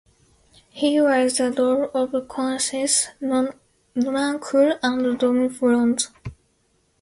He was the Lord of Conches, Nonancourt, and Domfront.